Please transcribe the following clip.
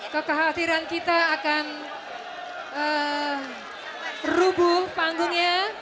kekhawatiran kita akan rubuh panggungnya